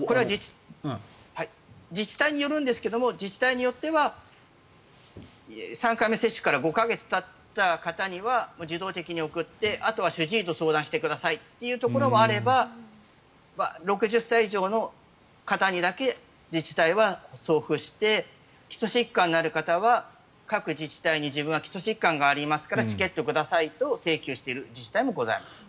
自治体によるんですが自治体によっては３回目接種から５か月たった方には自動的に送ってあとは主治医と相談してくださいというところもあれば６０歳以上の方にだけ自治体は送付して基礎疾患のある方は各自治体に自分は基礎疾患がありますからチケットをくださいと請求している自治体もございます。